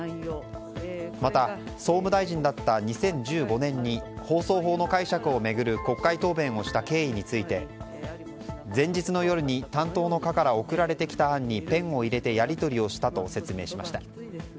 また、総務大臣だった２０１５年に放送法の解釈を巡る国会答弁をした経緯について、前日の夜に担当の課から送られてきた案にペンを入れてやり取りをしたと説明しました。